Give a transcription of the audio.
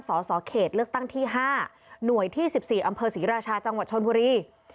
สสเขตเลือกตั้งที่๕หน่วยที่๑๔อำเภอศรีราชาจังหวัดชนบุรี